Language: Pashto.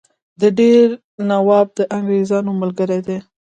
د دیر نواب د انګرېزانو ملګری دی.